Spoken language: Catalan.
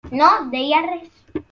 No deia res.